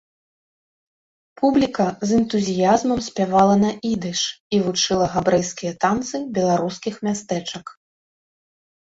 Публіка з энтузіязмам спявала на ідыш і вучыла габрэйскія танцы беларускіх мястэчак.